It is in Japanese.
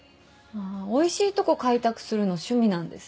おいしいとこ開拓するの趣味なんです。